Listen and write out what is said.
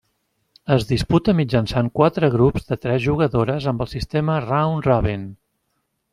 Es disputa mitjançant quatre grups de tres jugadores amb el sistema Round Robin.